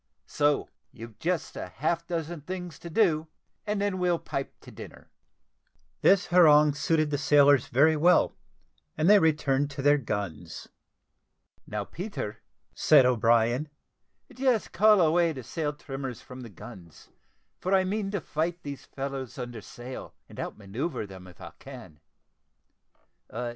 So you've just half a dozen things to do, and then we'll pipe to dinner." This harangue suited the sailors very well, and they returned to their guns. "Now, Peter," said O'Brien, "just call away the sail trimmers from the guns, for I mean to fight these fellows under sail, and out manoeuvre them, if I can.